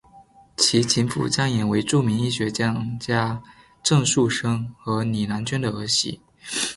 其情妇张琰为著名医学专家郑树森与李兰娟的儿媳。